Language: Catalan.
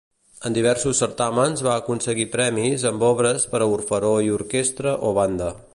En diversos certàmens va aconseguir premis amb obres per a orfeó i orquestra o banda.